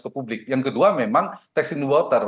ke publik yang kedua memang tax in the water